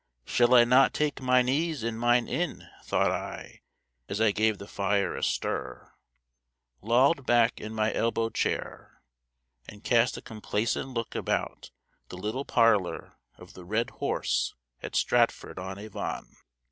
"Shall I not take mine ease in mine inn?" thought I, as I gave the fire a stir, lolled back in my elbow chair, and cast a complacent look about the little parlor of the Red Horse at Stratford on Avon.